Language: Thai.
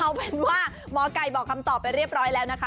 เอาเป็นว่าหมอไก่บอกคำตอบไปเรียบร้อยแล้วนะคะ